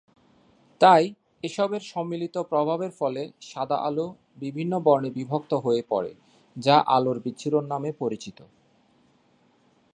তাই এসবের সম্মিলিত প্রভাবের ফলে সাদা আলো বিভিন্ন বর্ণে বিভক্ত হয়ে পড়ে যা আলোর বিচ্ছুরণ নামে পরিচিত।